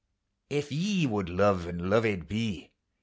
If ye would love and loved be.